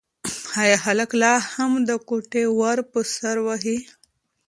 ایا هلک لا هم د کوټې ور په سر وهي؟